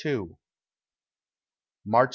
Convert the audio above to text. March 7.